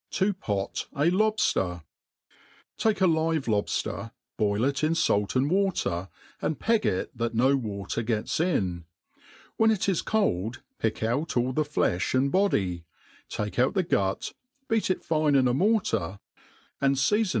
To pot a Lohfler. TAKE a live lobfter, boil it In fait and water, and peg it that no water gets in ; when it is cold pick out all the flefh and body, take put the gut, beat it fine in a mortar, and feafon it MADE PLAIN AND EASY.